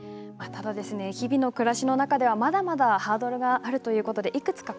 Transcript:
ただ日々の暮らしの中ではまだまだハードルがあるということで、いくつか